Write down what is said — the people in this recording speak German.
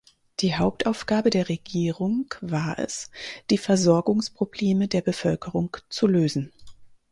Die Hauptaufgabe der Regierung war es die Versorgungsprobleme der Bevölkerung zu lösen.